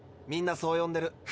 みんなそう呼んでる。